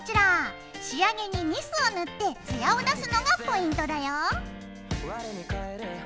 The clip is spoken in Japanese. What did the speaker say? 仕上げにニスを塗ってツヤをだすのがポイントだよ。